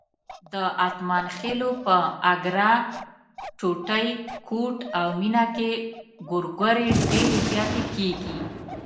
د اتمانخېلو په اګره، ټوټی، کوټ او مېنه کې ګورګورې ډېرې زیاتې کېږي.